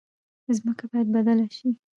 ځمکه باید بدله شي.